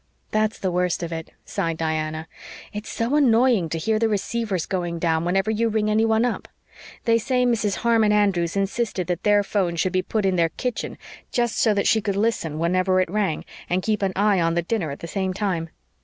"That's the worst of it," sighed Diana. "It's so annoying to hear the receivers going down whenever you ring anyone up. They say Mrs. Harmon Andrews insisted that their 'phone should be put in their kitchen just so that she could listen whenever it rang and keep an eye on the dinner at the same time.